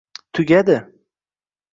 Tugadi